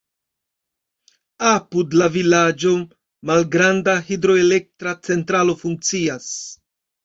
Apud la vilaĝo malgranda hidroelektra centralo funkcias.